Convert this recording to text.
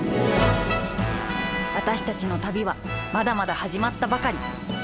私たちの旅はまだまだはじまったばかり。